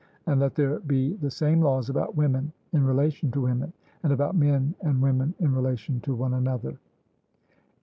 And let there be the same laws about women in relation to women, and about men and women in relation to one another.